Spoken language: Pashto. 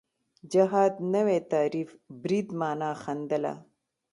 جهاد نوی تعریف برید معنا ښندله